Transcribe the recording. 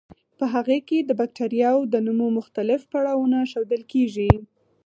په هغې کې د بکټریاوو د نمو مختلف پړاوونه ښودل کیږي.